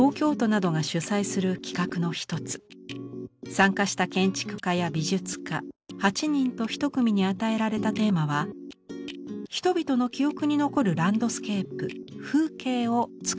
参加した建築家や美術家８人と１組に与えられたテーマは「人々の記憶に残るランドスケープ”風景”を作ること」。